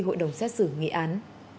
hội đồng xét xử nghị án